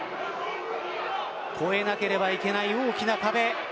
越えなければいけない大きな壁。